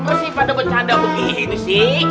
kok sih pada bercanda begini sih